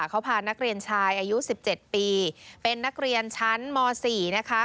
เขาพานักเรียนชายอายุ๑๗ปีเป็นนักเรียนชั้นม๔นะคะ